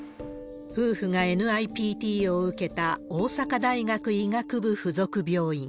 夫婦がＮＩＰＴを受けた大阪大学医学部附属病院。